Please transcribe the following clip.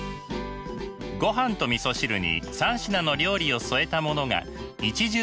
ごはんとみそ汁に３品の料理を添えたものが一汁三菜。